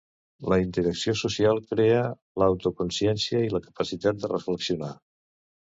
La interacció social crea l'autoconsciència i la capacitat de reflexionar.